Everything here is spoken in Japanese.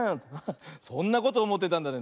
そんなことおもってたんだね。